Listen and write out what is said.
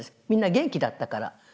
みんな元気だったから。